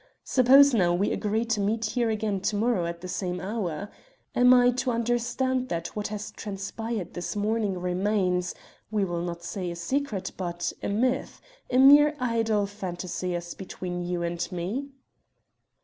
Suppose, now, we agree to meet here again to morrow at the same hour. Am I to understand that what has transpired this morning remains, we will not say a secret, but a myth, a mere idle phantasy as between you and me?"